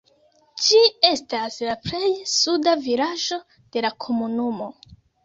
Ĝi estas la plej suda vilaĝo de la komunumo.